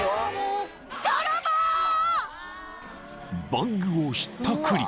［バッグをひったくり］